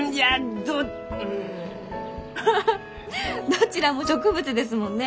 どちらも植物ですもんね！